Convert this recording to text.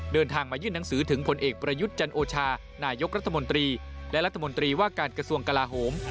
เดินทางมายื่นหนังสือถึงผลเอกประยุทธ์จันโอชานายกรัฐมนตรีและรัฐมนตรีว่าการกระทรวงกลาโหม